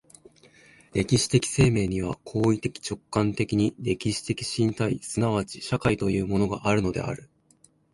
歴史的生命には行為的直観的に歴史的身体即ち社会というものがあるのである。